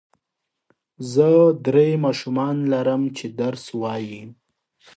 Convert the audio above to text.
زه درې ماشومان لرم چې درس وايي.